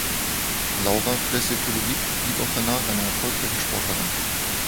Laura Flessel-Colovic blieb auch danach eine erfolgreiche Sportlerin.